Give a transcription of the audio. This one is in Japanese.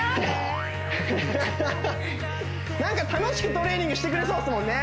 なんか楽しくトレーニングしてくれそうっすもんね